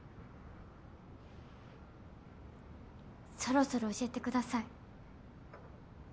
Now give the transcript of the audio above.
そろそろ教えてください。